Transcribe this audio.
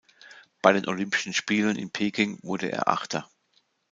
Bei den Olympischen Spielen in Peking wurde er Achter.